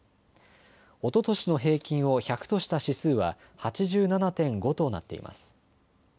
おととしの平均を１００とした指数は８７．５となっています。